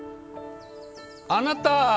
あなた！？